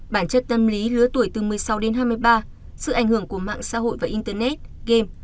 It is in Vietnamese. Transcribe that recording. bản chất tâm lý lứa tuổi từ một mươi sáu đến hai mươi ba sự ảnh hưởng của mạng xã hội và internet game